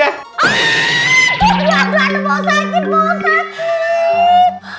ya tuhan mau sakit mau sakit